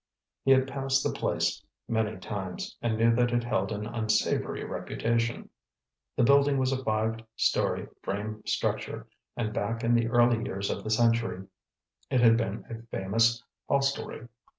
He had passed the place many times, and knew that it held an unsavory reputation. The building was a five story frame structure, and back in the early years of the century, it had been a famous hostelry.